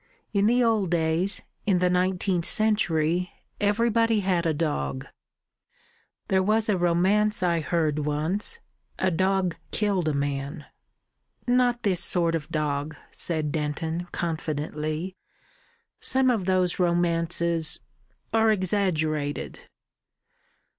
"In the old days in the nineteenth century everybody had a dog." "There was a romance I heard once. A dog killed a man." "Not this sort of dog," said Denton confidently. "Some of those romances are exaggerated."